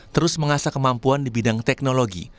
terus mengasah kemampuan di bidang teknologi